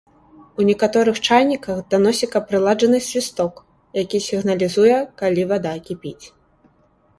У некаторых чайніках да носіка прыладжаны свісток, які сігналізуе, калі вада кіпіць.